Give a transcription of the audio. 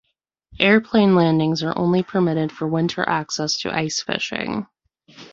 Airplane landings are only permitted for winter access to ice fishing.